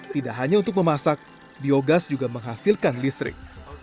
tidak hanya untuk memasak biogas juga menghasilkan listrik